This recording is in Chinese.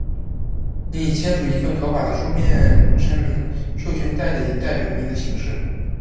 您已签署一份合法的书面声明，授权代理代表您行事。